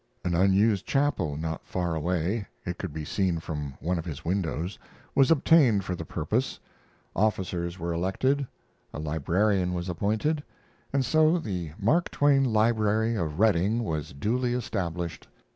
An unused chapel not far away it could be seen from one of his windows was obtained for the purpose; officers were elected; a librarian was appointed, and so the Mark Twain Library of Redding was duly established.